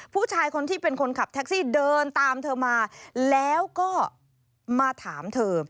ผู้ชายคนที่เป็นคนขับแท็กซี่เดินตามเธอมาแล้วก็มาถามเธอ